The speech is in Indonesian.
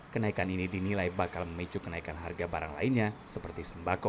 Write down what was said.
kenaikan ini dinilai bakal memicu kenaikan harga barang lainnya seperti sembako